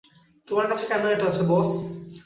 তোমার কাছে কেন এটা আছে, বস?